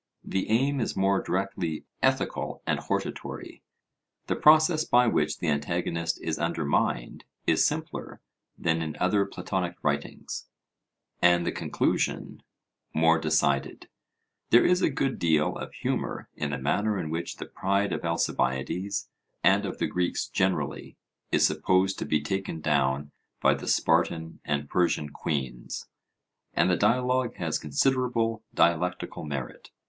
The aim is more directly ethical and hortatory; the process by which the antagonist is undermined is simpler than in other Platonic writings, and the conclusion more decided. There is a good deal of humour in the manner in which the pride of Alcibiades, and of the Greeks generally, is supposed to be taken down by the Spartan and Persian queens; and the dialogue has considerable dialectical merit.